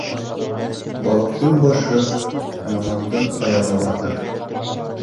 Балыҡтың башы, ямандың аяғы һаҫыр.